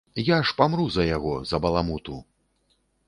Я ж памру за яго, за баламуту.